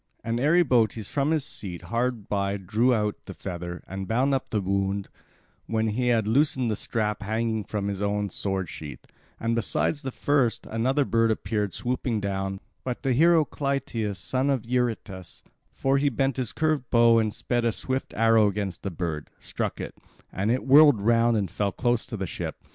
And Eribotes from his seat hard by drew out the feather, and bound up the wound when he had loosed the strap hanging from his own sword sheath; and besides the first, another bird appeared swooping down; but the hero Clytius, son of Eurytus—for he bent his curved bow, and sped a swift arrow against the bird—struck it, and it whirled round and fell close to the ship.